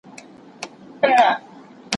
مرغۍ د یوې سترګې په بدل کې یو لوی انصاف وګاټه.